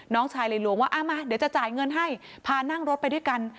น้องชายเลยลวงว่ามาเดี๋ยวจะจ่ายเงินให้พานั่งรถไปด้วยกัน